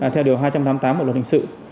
theo điều hai trăm tám mươi tám của luật hình sự